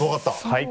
はい！